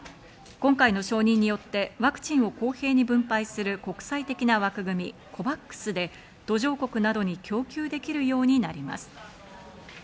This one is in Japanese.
今回の承認によってワクチンを公平に分配する国際的な枠組み、ＣＯＶＡＸで途上国などに供給できるようになります。